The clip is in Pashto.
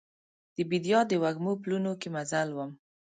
د بیدیا د وږمو پلونو کې مزل وم